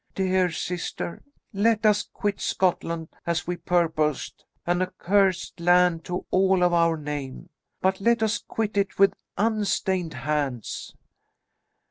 Dear sister, let us quit Scotland, as we purposed, an accursed land to all of our name, but let us quit it with unstained hands."